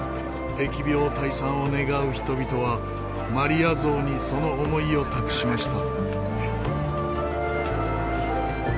疫病退散を願う人々はマリア像にその思いを託しました。